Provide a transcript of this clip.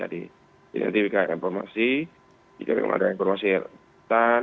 jadi nanti jika ada informasi jika ada informasi yang butuhan